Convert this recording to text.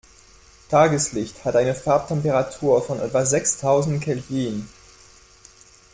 Tageslicht hat eine Farbtemperatur von etwa sechstausend Kelvin.